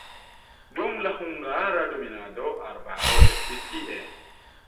Dum la hungara dominado arbaro estis tie.